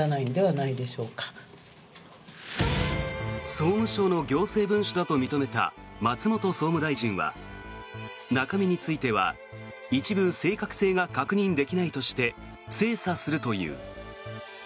総務省の行政文書だと認めた松本総務大臣は中身については一部正確性が確認できないとして精査するという。